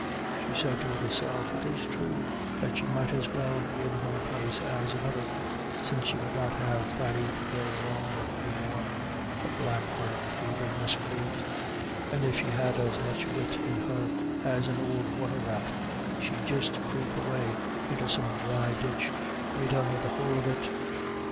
She said to herself, it is true, that she might as well be in one place as another, since she would not have Thady to go along with anymore the black hearted, thievin' miscreant and if she had as much wit in her as an ould water rat, she'd just creep away into some dry ditch, and be done with the whole of it.